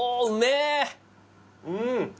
うん！